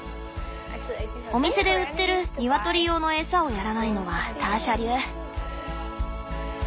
お店で売ってるニワトリ用の餌をやらないのはターシャ流。